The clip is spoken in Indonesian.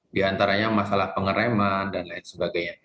di antaranya masalah pengereman dan lain sebagainya